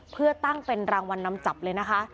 เพื่อตั้งเป็นรางวัลนำจับเลยนะคะ